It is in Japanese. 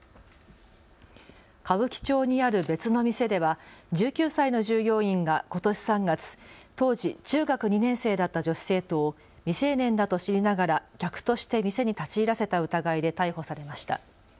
歌舞伎町にある別の店では１９歳の従業員がことし３月、当時、中学２年生だった女子生徒を未成年だと知りながら客として店に立ち入らせた疑いで逮捕されました。